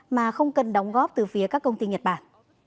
mà không cần đóng góp từ phía các công ty nhật bản